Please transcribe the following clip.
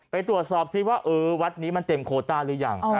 ไปตรวจสอบซิว่าวัดนี้มันเต็มโคต้าหรือยัง